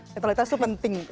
netralitas itu penting